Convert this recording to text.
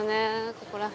ここら辺。